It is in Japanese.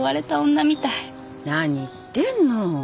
何言ってんの。